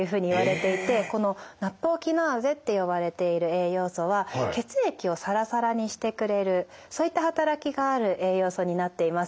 このナットウキナーゼって呼ばれている栄養素は血液をサラサラにしてくれるそういった働きがある栄養素になっています。